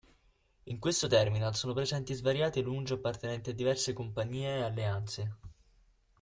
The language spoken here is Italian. In questo terminal sono presenti svariate lounge appartenenti a diverse compagnie e alleanze.